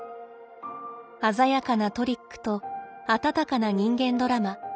鮮やかなトリックと温かな人間ドラマ。